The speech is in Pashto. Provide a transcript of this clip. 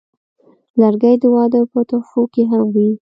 لرګی د واده په تحفو کې هم وي.